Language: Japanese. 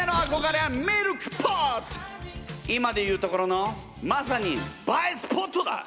今で言うところのまさに映えスポットだ！